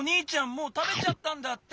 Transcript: もうたべちゃったんだって。